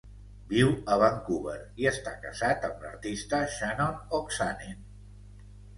Viu a Vancouver i està casat amb l'artista Shannon Oksanen.